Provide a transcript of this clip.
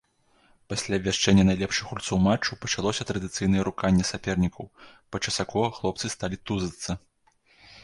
Пасля абвяшчэння найлепшых гульцоў матчу пачалося традыцыйнае руканне сапернікаў, падчас якога хлопцы сталі тузацца.